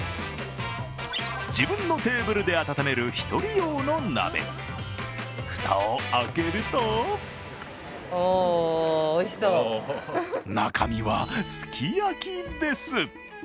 自分のテーブルで温める１人用の鍋蓋を開けると中身はすき焼きです。